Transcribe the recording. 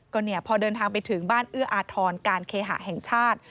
ก็เนี่ยพอเดินทางไปถึงบ้านเอื้ออาทรการเคหะแห่งชาติ